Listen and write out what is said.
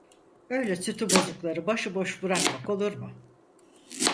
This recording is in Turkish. Öyle sütü bozukları başıboş bırakmak olur mu?